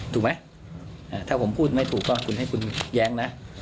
ถูกไหมถ้าผมพูดไม่ถูกก็คุณให้คุณแย้งนะ